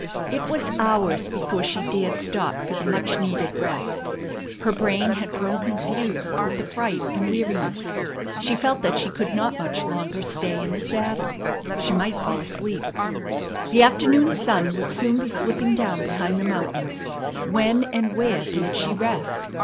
It was hours before she dared stop for the much needed rest. Her brain had grown confused with the fright and weariness. She felt that she could not much longer stay in the saddle. She might fall asleep. The afternoon sun would soon be slipping down behind the mountains. When and where dared she rest?